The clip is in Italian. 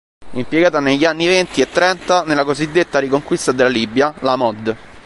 Impiegata negli anni venti e trenta nella cosiddetta riconquista della Libia, la "Mod.